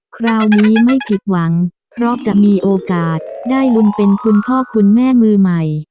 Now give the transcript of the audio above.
คราวนี้ไม่ผิดหวังเพราะจะมีโอกาสได้ลุ้นเป็นคุณพ่อคุณแม่มือใหม่